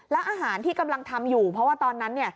แล้วอาหารที่กำลังทำอยู่เพราะว่าตอนนั้น